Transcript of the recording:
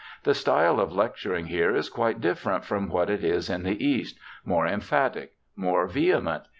The style of lecturing here is quite different from what it is in the East — more emphatic, more vehement.